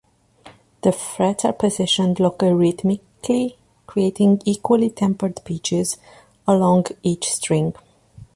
The frets are positioned logarithmically, creating equally-tempered pitches along each string.